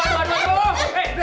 aduh aduh aduh